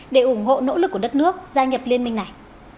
để ủng hộ nỗ lực của đất nước gia nhập liên minh này